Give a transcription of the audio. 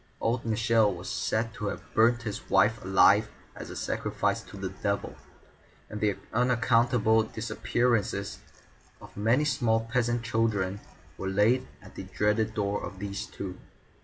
Old Michel was said to have burnt his wife alive as a sacrifice to the Devil, and the unaccountable disappearances of many small peasant children were laid at the dreaded door of these two.